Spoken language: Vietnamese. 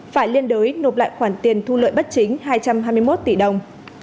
phải liên đối nộp lại khoản tiền thu lợi bất chính hai trăm hai mươi một tỷ đồng